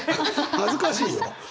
恥ずかしいよ。